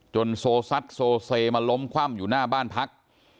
โซซัดโซเซมาล้มคว่ำอยู่หน้าบ้านพัก